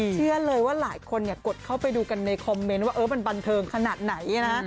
เชื่อเลยว่าหลายคนกดเข้าไปดูกันในคอมเมนต์ว่ามันบันเทิงขนาดไหนนะ